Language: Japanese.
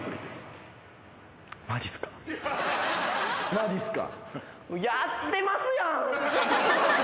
マジっすか？